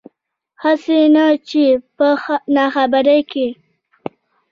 هسې نه چې پۀ ناخبرۍ کښې